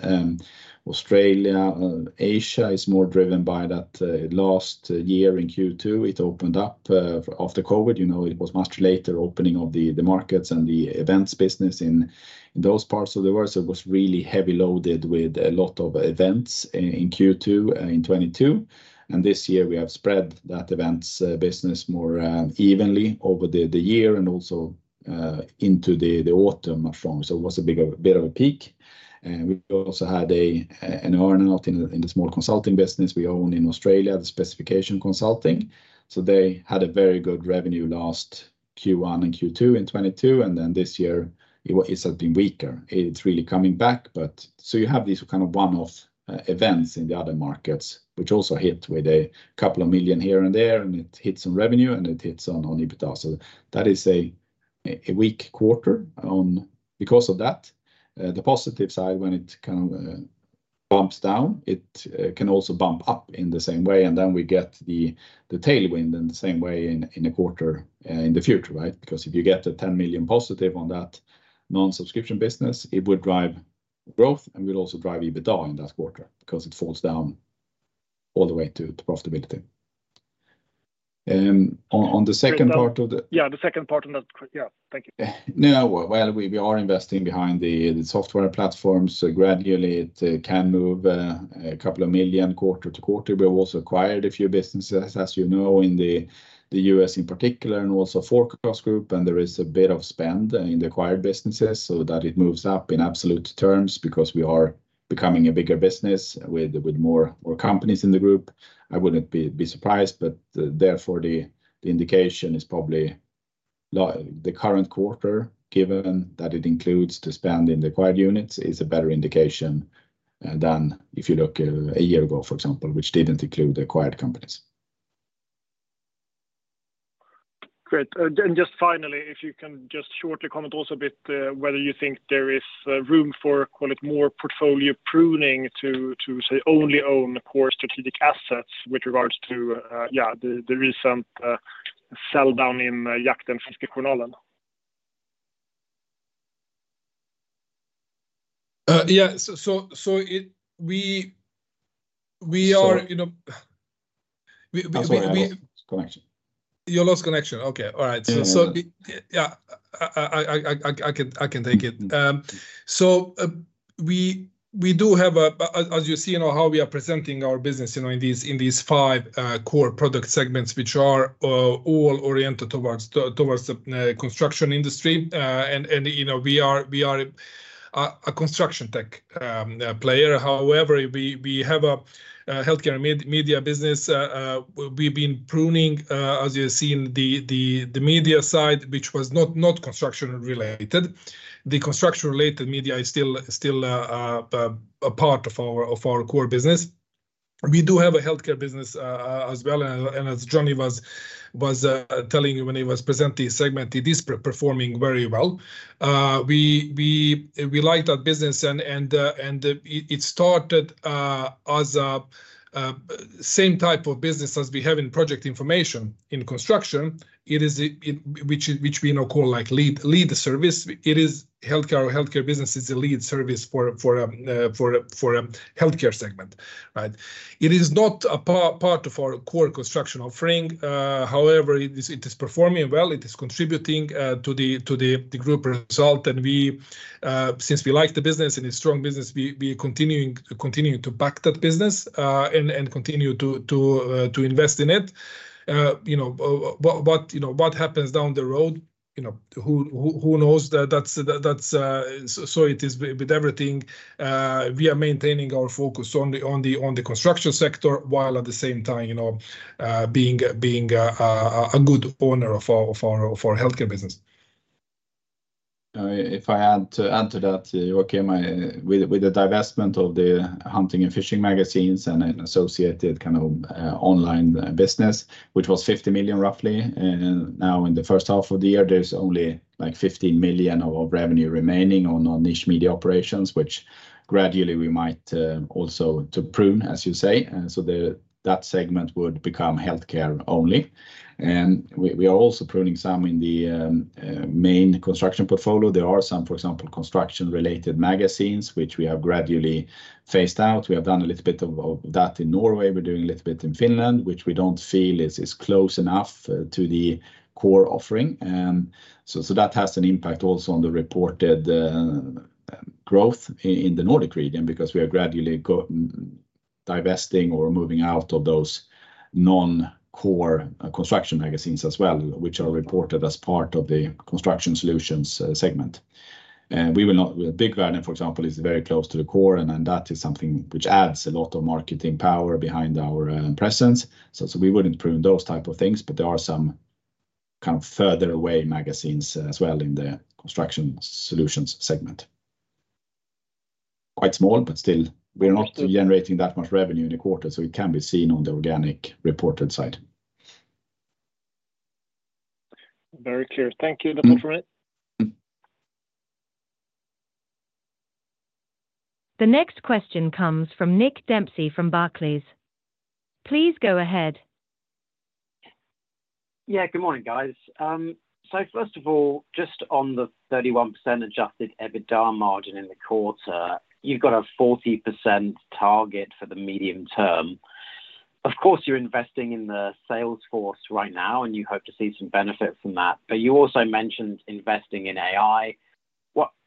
Australia, Asia is more driven by that last year in Q2, it opened up after COVID. You know, it was much later opening of the markets and the events business in those parts of the world. So it was really heavy loaded with a lot of events in Q2 in 2022. This year we have spread that events business more evenly over the year and also into the autumn months. So it was a bit of a peak. We also had an earn-out in the small consulting business we own in Australia, the specification consulting. They had a very good revenue last Q1 and Q2 in 2022, this year, it's something weaker. It's really coming back, you have these kind of one-off events in the other markets, which also hit with a couple of million here and there, it hits on revenue, it hits on EBITDA. That is a weak quarter because of that. The positive side, when it kind of bumps down, it can also bump up in the same way, we get the tailwind in the same way in a quarter in the future, right? If you get the 10 million positive on that non-subscription business, it would drive growth and will also drive EBITDA in that quarter, because it falls down all the way to profitability. On the second part of the. Yeah, the second part of that. Yeah, thank you. No, well, we are investing behind the software platforms. Gradually, it can move 2 million quarter-to-quarter. We also acquired a few businesses, as you know, in the U.S. in particular, and also 4CastGroup, and there is a bit of spend in the acquired businesses so that it moves up in absolute terms, because we are becoming a bigger business with more companies in the group. I wouldn't be surprised, but therefore, the indication is probably the current quarter, given that it includes the spend in the acquired units, is a better indication than if you look a year ago, for example, which didn't include the acquired companies. Great. Just finally, if you can just shortly comment also a bit, whether you think there is room for, call it, more portfolio pruning to say only own core strategic assets with regards to, yeah, the recent sell down in Jakt & Fiskejournalen. Yeah, we are, you know. Sorry. We. I'm sorry. I lost connection. You lost connection? Okay, all right. Mm-hmm. Yeah, I can take it. Mm-hmm. We, we do have as you see, you know, how we are presenting our business, you know, in these, in these five core product segments, which are all oriented towards the construction industry. You know, we are, we are a construction tech player. However, we have a healthcare media business. We've been pruning, as you have seen, the media side, which was not construction related. The construction-related media is still a part of our core business. We do have a healthcare business as well, and as Johnny was telling you when he was presenting segment, it is performing very well. We like that business and it started as a same type of business as we have in project information in construction. It is a which we now call, like, lead service. It is healthcare, or healthcare business is a lead service for a healthcare segment, right? It is not a part of our core construction offering. However, it is performing well, it is contributing to the Group result. We, since we like the business, and it's strong business, we continuing to back that business and continue to invest in it. You know, what, you know, what happens down the road, you know, who knows? That's so it is with everything. We are maintaining our focus on the construction sector, while at the same time, you know, being a good owner of our healthcare business. If I add to that, okay, with the divestment of the hunting and fishing magazines and then associated kind of online business, which was 50 million, roughly, and now in the first half of the year, there's only, like, 15 million of revenue remaining on our niche media operations, which gradually we might also to prune, as you say. So that segment would become healthcare only. We are also pruning some in the main construction portfolio. There are some, for example, construction-related magazines, which we have gradually phased out. We have done a little bit of that in Norway. We're doing a little bit in Finland, which we don't feel is close enough to the core offering. So that has an impact also on the reported growth in the Nordic region, because we are gradually divesting or moving out of those non-core construction magazines as well, which are reported as part of the construction solutions segment. With Byggvärlden, for example, is very close to the core, and then that is something which adds a lot of marketing power behind our presence. We wouldn't prune those type of things, but there are some kind of further away magazines as well in the construction solutions segment. Quite small, but still, we are not generating that much revenue in the quarter, so it can be seen on the organic reported side. Very clear. Thank you, that's it for me. The next question comes from Nick Dempsey from Barclays. Please go ahead. Yeah, good morning, guys. First of all, just on the 31% adjusted EBITDA margin in the quarter, you've got a 40% target for the medium term. Of course, you're investing in the sales force right now, and you hope to see some benefit from that, but you also mentioned investing in AI.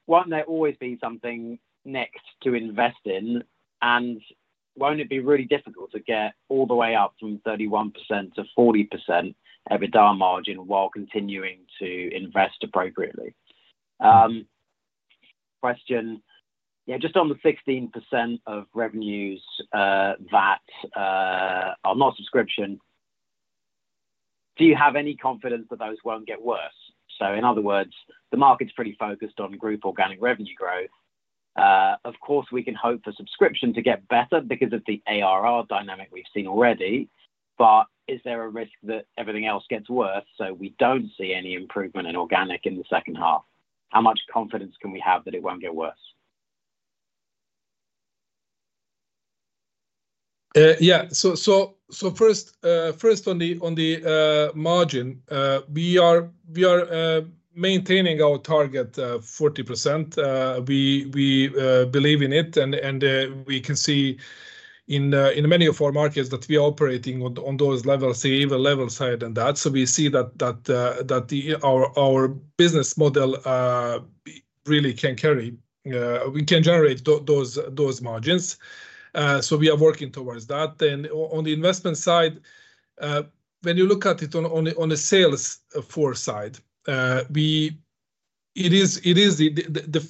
Won't there always be something next to invest in? Won't it be really difficult to get all the way up from 31% to 40% EBITDA margin while continuing to invest appropriately? Question, yeah, just on the 16% of revenues that are not subscription, do you have any confidence that those won't get worse? In other words, the market's pretty focused on group organic revenue growth. Of course, we can hope for subscription to get better because of the ARR dynamic we've seen already. Is there a risk that everything else gets worse, so we don't see any improvement in organic in the second half? How much confidence can we have that it won't get worse? Yeah. first on the margin, we are maintaining our target, 40%. We believe in it, and we can see in many of our markets that we are operating on those levels, the even level side than that. We see that our business model really can carry... We can generate those margins. We are working towards that. On the investment side, when you look at it on a sales force side, it is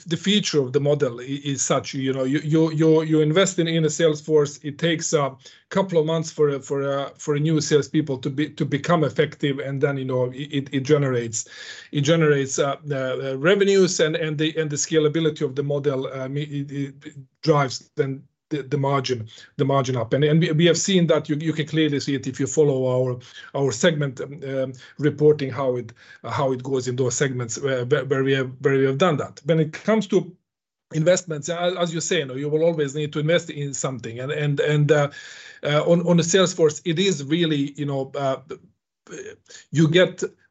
the future of the model is such, you know, you're investing in a sales force. It takes a couple of months for a new salespeople to become effective, and then, you know, it generates the revenues and the scalability of the model, it drives then the margin up. We have seen that. You can clearly see it if you follow our segment reporting, how it goes in those segments, where we have done that. When it comes to investments, as you say, you know, you will always need to invest in something. On a sales force, it is really, you know,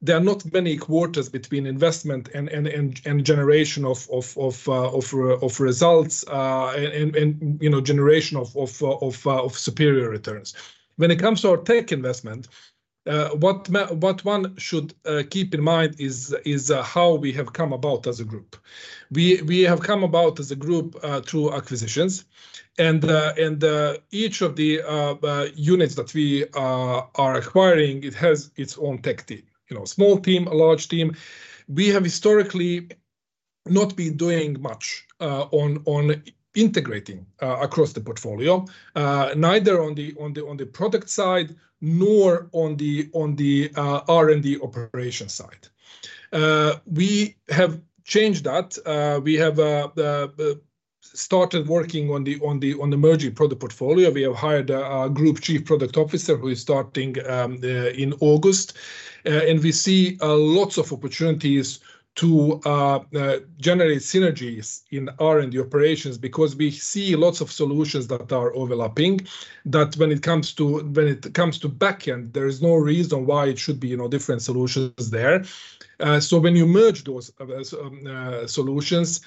there are not many quarters between investment and generation of results, and, you know, generation of superior returns. When it comes to our tech investment, what one should keep in mind is how we have come about as a group. We have come about as a group through acquisitions, and each of the units that we are acquiring, it has its own tech team, you know, small team, a large team. We have historically not been doing much on integrating across the portfolio, neither on the product side, nor on the R&D operation side. We have changed that. We have started working on the merging product portfolio. We have hired a Group Chief Product Officer who is starting in August. We see lots of opportunities to generate synergies in R&D operations because we see lots of solutions that are overlapping, that when it comes to back-end, there is no reason why it should be, you know, different solutions there. When you merge those solutions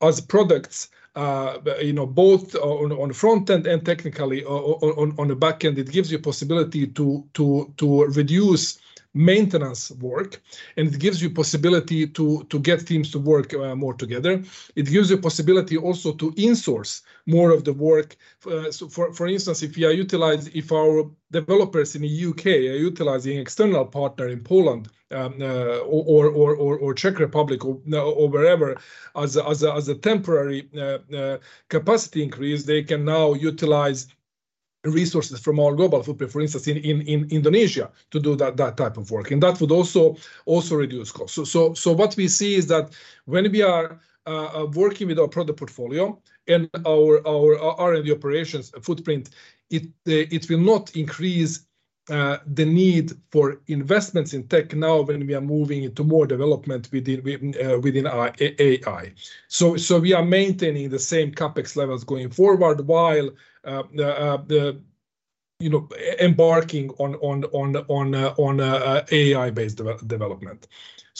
as products, you know, both on the front-end and technically on the back-end, it gives you possibility to reduce maintenance work, and it gives you possibility to get teams to work more together. It gives you possibility also to insource more of the work. For instance, if you are utilizing if our developers in the U.K. are utilizing external partner in Poland, or Czech Republic, or wherever, as a temporary capacity increase, they can now utilize resources from our global footprint, for instance, in Indonesia, to do that type of work, and that would also reduce costs. What we see is that when we are working with our product portfolio and our R&D operations footprint, it will not increase the need for investments in tech now, when we are moving into more development within AI. We are maintaining the same CapEx levels going forward while the, you know, embarking on AI-based development.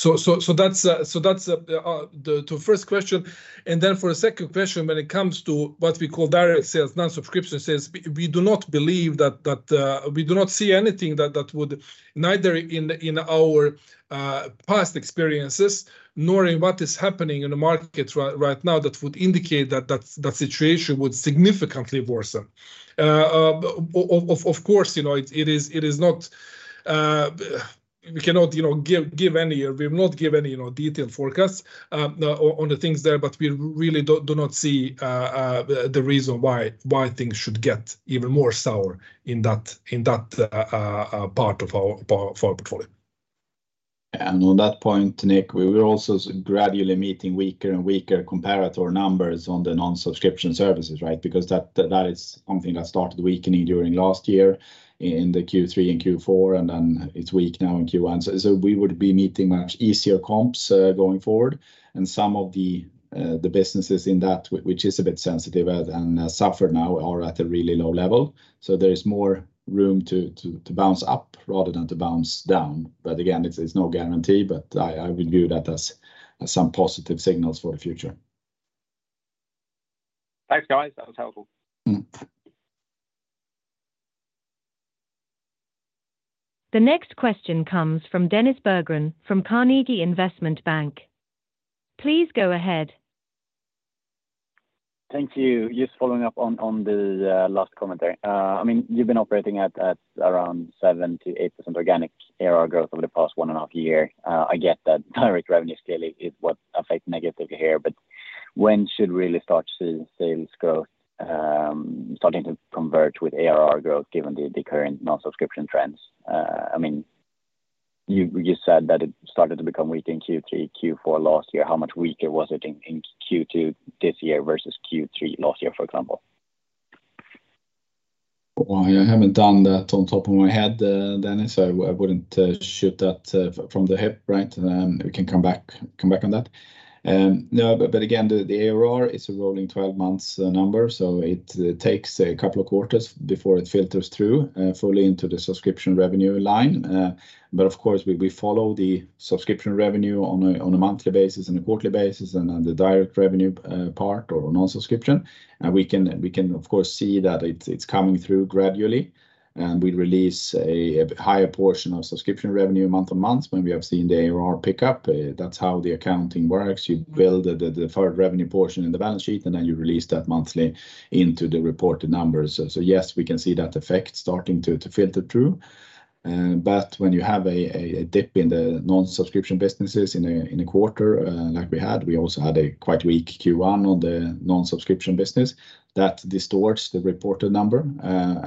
That's the to first question. For the second question, when it comes to what we call direct sales, non-subscription sales, we do not believe that... We do not see anything that would, neither in our past experiences, nor in what is happening in the market right now, that would indicate that situation would significantly worsen. Of course, you know, it is not, we cannot, you know, give any, we have not given any, you know, detailed forecasts on the things there, but we really do not see the reason why things should get even more sour in that part of our portfolio. On that point, Nick, we were also gradually meeting weaker and weaker comparator numbers on the non-subscription services, right? That is something that started weakening during last year in the Q3 and Q4, and then it's weak now in Q1. We would be meeting much easier comps going forward. Some of the businesses in that, which is a bit sensitive and suffer now, are at a really low level. There is more room to bounce up rather than to bounce down. Again, it's no guarantee, but I will view that as some positive signals for the future. Thanks, guys. That was helpful. Mm. The next question comes from Dennis Berggren from Carnegie Investment Bank. Please go ahead. Thank you. Just following up on the last comment there. I mean, you've been operating at around 7%-8% organic ARR growth over the past 1.5 years. I get that direct revenue scale is what affect negative here. When should really start to see sales growth, starting to converge with ARR growth, given the current non-subscription trends? I mean, you said that it started to become weak in Q3, Q4 last year. How much weaker was it in Q2 this year versus Q3 last year, for example? Well, I haven't done that on top of my head, Dennis, so I wouldn't shoot that from the hip, right? We can come back on that. No. Again, the ARR is a rolling 12 months number, so it takes a couple of quarters before it filters through fully into the subscription revenue line. Of course, we follow the subscription revenue on a monthly basis and a quarterly basis, and then the direct revenue part or non-subscription. We can of course see that it's coming through gradually, and we release a higher portion of subscription revenue month-on-month when we have seen the ARR pick up. That's how the accounting works. You build the forward revenue portion in the balance sheet, and then you release that monthly into the reported numbers. Yes, we can see that effect starting to filter through. When you have a dip in the non-subscription businesses in a quarter, like we had, we also had a quite weak Q1 on the non-subscription business. That distorts the reported number.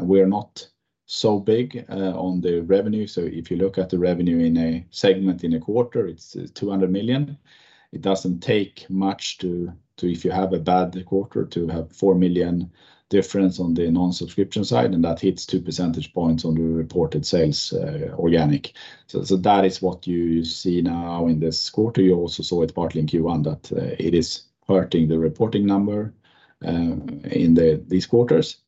We are not so big on the revenue. If you look at the revenue in a segment in a quarter, it's 200 million. It doesn't take much to, if you have a bad quarter, to have 4 million difference on the non-subscription side, and that hits 2 percentage points on the reported sales, organic. That is what you see now in this quarter. You also saw it partly in Q1, that, it is hurting the reporting number, in these quarters.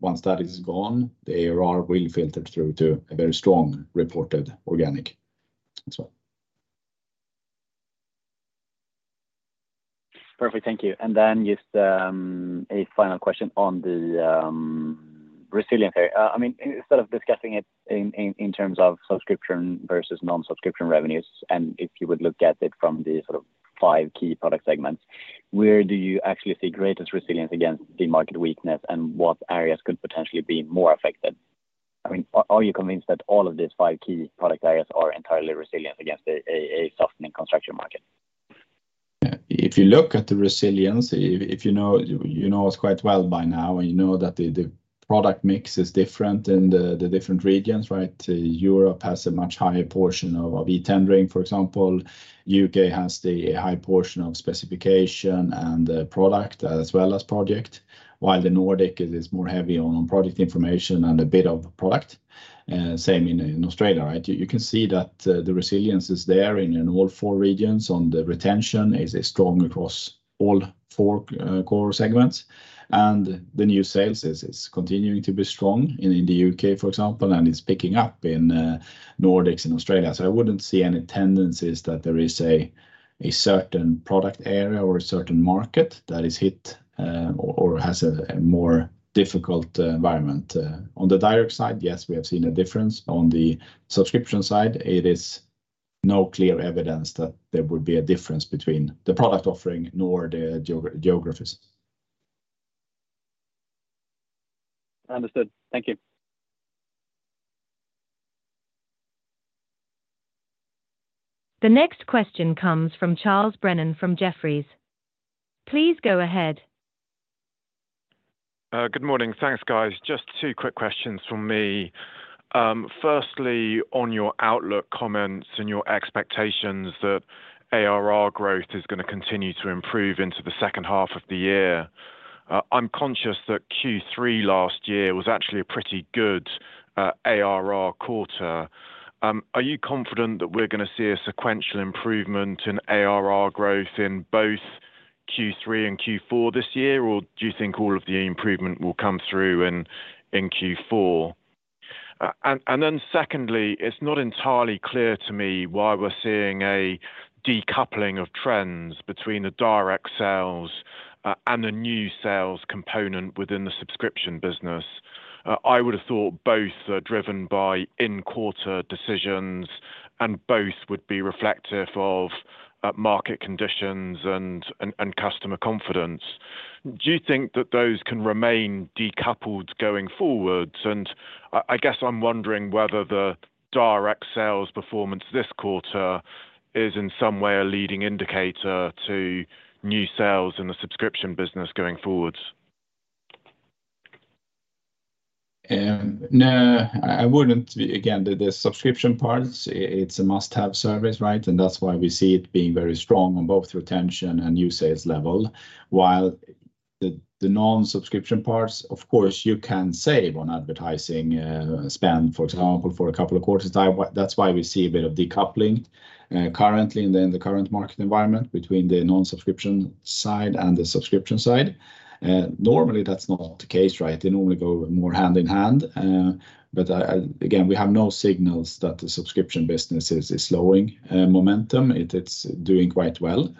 Once that is gone, the ARR will filter through to a very strong reported organic. That's all. Perfect. Thank you. Then just a final question on the resilience area. I mean, instead of discussing it in terms of subscription versus non-subscription revenues, if you would look at it from the sort of five key product segments, where do you actually see greatest resilience against the market weakness, and what areas could potentially be more affected? I mean, are you convinced that all of these five key product areas are entirely resilient against a softening construction market? If you look at the resilience, if you know, you know us quite well by now, and you know that the product mix is different in the different regions, right? Europe has a much higher portion of eTendering, for example. U.K. has the high portion of specification and the product, as well as project, while the Nordic is more heavy on project information and a bit of product. Same in Australia, right? You can see that the resilience is there in all four regions, and the retention is strong across all four core segments. The new sales is continuing to be strong in the U.K., for example, and it's picking up in Nordics and Australia. I wouldn't see any tendencies that there is a certain product area or a certain market that is hit, or has a more difficult, environment. On the direct side, yes, we have seen a difference. On the subscription side, it is no clear evidence that there would be a difference between the product offering nor the geographies. Understood. Thank you. The next question comes from Charles Brennan from Jefferies. Please go ahead. Good morning. Thanks, guys. Just two quick questions from me. Firstly, on your outlook comments and your expectations that ARR growth is gonna continue to improve into the second half of the year. I'm conscious that Q3 last year was actually a pretty good ARR quarter. Are you confident that we're gonna see a sequential improvement in ARR growth in both Q3 and Q4 this year, or do you think all of the improvement will come through in Q4? Secondly, it's not entirely clear to me why we're seeing a decoupling of trends between the direct sales and the new sales component within the subscription business. I would have thought both are driven by in-quarter decisions, and both would be reflective of market conditions and customer confidence. Do you think that those can remain decoupled going forward? I guess I'm wondering whether the direct sales performance this quarter is in some way a leading indicator to new sales in the subscription business going forward. No, I wouldn't be. Again, the subscription parts, it's a must-have service, right? That's why we see it being very strong on both retention and new sales level. While the non-subscription parts, of course, you can save on advertising spend, for example, for a couple of quarters time. That's why we see a bit of decoupling currently in the current market environment between the non-subscription side and the subscription side. Normally, that's not the case, right? They normally go more hand in hand. But I, again, we have no signals that the subscription business is slowing momentum. It's doing quite well.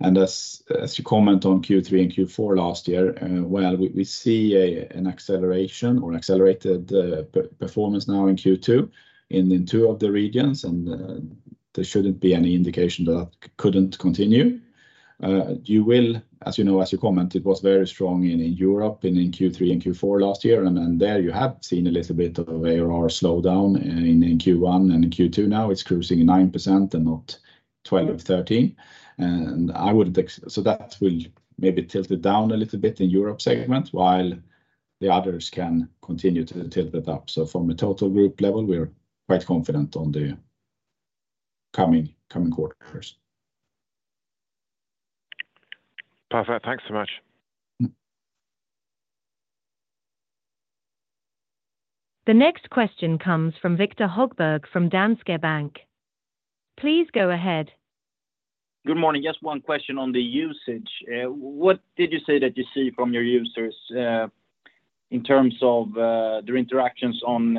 As you comment on Q3 and Q4 last year, well, we see an acceleration or an accelerated performance now in Q2, in two of the regions, there shouldn't be any indication that couldn't continue. You will, as you know, as you commented, it was very strong in Europe and in Q3 and Q4 last year, then there you have seen a little bit of ARR slow down in Q1 and Q2. It's cruising 9% and not 12 or 13, so that will maybe tilt it down a little bit in Europe segment, while the others can continue to tilt it up. From a total Group level, we're quite confident on the coming quarters. Perfect. Thanks so much. The next question comes from Viktor Högberg from Danske Bank. Please go ahead. Good morning. Just one question on the usage. What did you say that you see from your users, in terms of, the interactions on,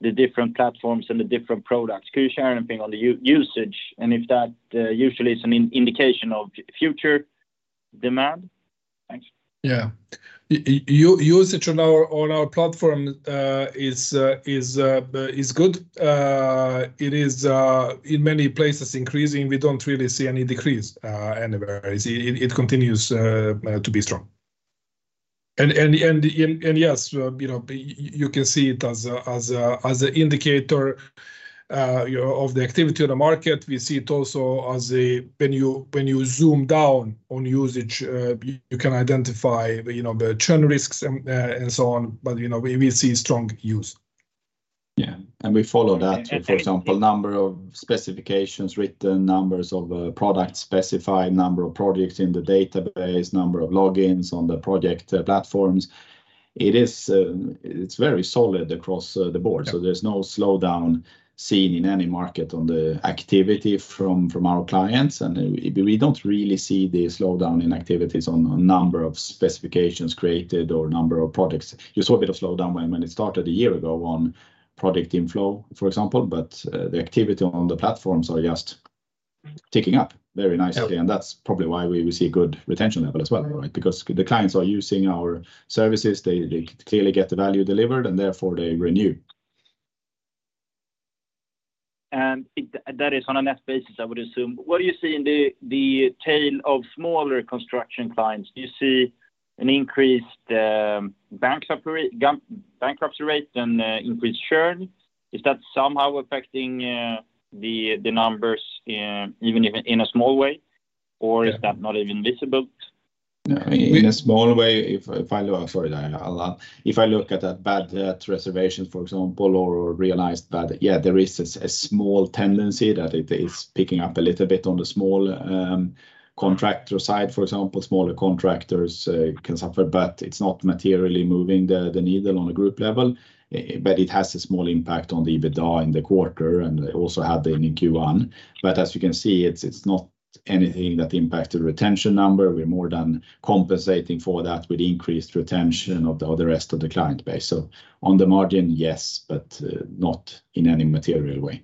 the different platforms and the different products? Can you share anything on the usage, and if that, usually is an indication of future demand? Thanks. Yeah. Usage on our platform is good. It is in many places increasing. We don't really see any decrease anywhere. It continues to be strong. Yes, you know, you can see it as a indicator, you know, of the activity on the market. We see it also. When you zoom down on usage, you can identify, you know, the churn risks and so on, you know, we see strong use. Yeah, we follow that. And, and, and- For example, number of specifications, written numbers of, products, specified number of projects in the database, number of logins on the project, platforms. It is, it's very solid across the board. Yeah. There's no slowdown seen in any market on the activity from our clients, and we don't really see the slowdown in activities on a number of specifications created or number of products. You saw a bit of slowdown when it started a year ago on product inflow, for example, but the activity on the platforms are just ticking up very nicely. Yeah. That's probably why we see good retention level as well, right? Because the clients are using our services. They clearly get the value delivered. Therefore, they renew. It... That is on a net basis, I would assume. What do you see in the tail of smaller construction clients? Do you see an increased bankruptcy rate and increased churn? Is that somehow affecting the numbers even if in a small way? Yeah. Is that not even visible? No, in a small way, if I look... Sorry, Alain. If I look at a bad reservation, for example, or realized bad, yeah, there is a small tendency that it is picking up a little bit on the small contractor side. For example, smaller contractors can suffer, but it's not materially moving the needle on a group level. But it has a small impact on the EBITDA in the quarter, and it also had the in Q1. As you can see, it's not anything that impacts the retention number. We're more than compensating for that with increased retention of the other rest of the client base. On the margin, yes, but not in any material way.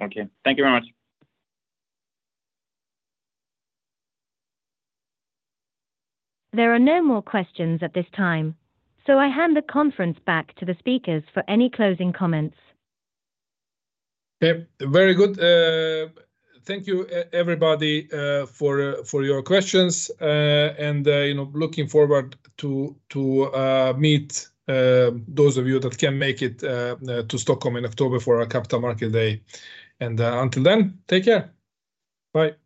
Okay. Thank you very much. There are no more questions at this time, so I hand the conference back to the speakers for any closing comments. Thank you, everybody, for your questions, and you know, looking forward to meet those of you that can make it to Stockholm in October for our Capital Markets Day. Until then, take care. Bye. Thank you.